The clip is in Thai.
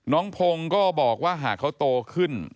น้องพงศ์ก็บอกว่าหากเขาโตขึ้น